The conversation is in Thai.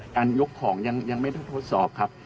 การยกของยังไม่ได้ทดสอบครับ